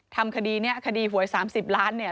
ทำคดีนี้คดีหวย๓๐ล้านเนี่ย